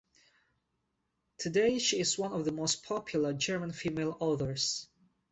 Today she is one of the most popular German female authors.